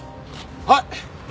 はい！